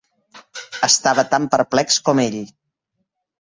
Estava tan perplex com ell.